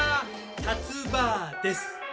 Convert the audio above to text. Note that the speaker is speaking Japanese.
たつ婆です。